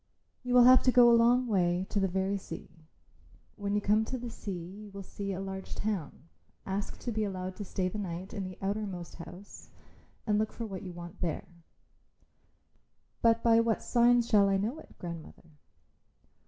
You will have to go a long way, to the very sea. When you come to the sea you will see a large town. Ask to be allowed to stay the night in the outermost house and look for what you want there." "But by what signs shall I know it, grandmother?"